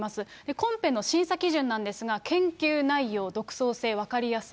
コンペの審査基準なんですが、研究内容、独創性、分かりやすさ。